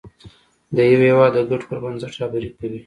د یو هېواد د ګټو پر بنسټ رهبري کوي.